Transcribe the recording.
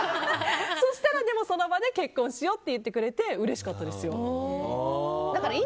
そしたらその場で結婚しようと言ってくれてうれしかったですよ。